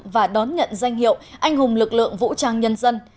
và đón nhận danh hiệu anh hùng lực lượng vũ trang nhân dân